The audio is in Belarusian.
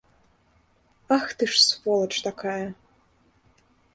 Ах ты ж сволач такая!